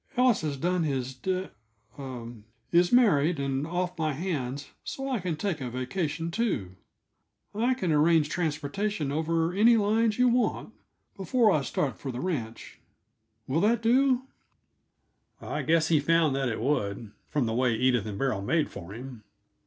Ellis has done his da er is married and off my hands, so I can take a vacation too. I can arrange transportation over any lines you want, before I start for the ranch. Will that do?" I guess he found that it would, from the way Edith and Beryl made for him.